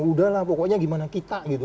udah lah pokoknya gimana kita gitu